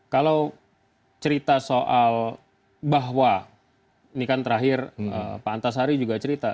kalau cerita soal bahwa ini kan terakhir pak antasari juga cerita